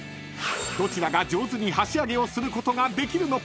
［どちらが上手に箸あげをすることができるのか？］